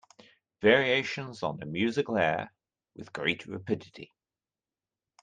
Variations on a musical air With great rapidity.